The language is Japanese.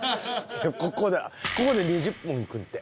ここでここで２０分食って。